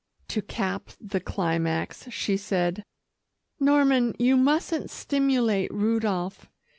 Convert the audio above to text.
To cap the climax, she said, "Norman, you mustn't stimulate Rudolph.